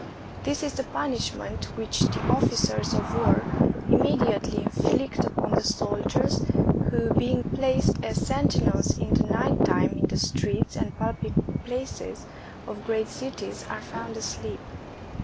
This is the punishment which the ofiQcers of war imme diately inflict upon the soldiers who, being placed as sentinels in the night time in the streets and public places of great cities, are found asleep.